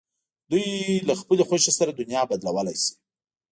دوی له خپلې خوښې سره دنیا بدلولای شي.